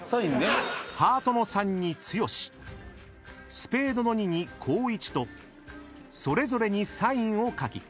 スペードの２に「こーいち」とそれぞれにサインを書き］